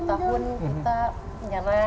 setelah sepuluh tahun kita menyerah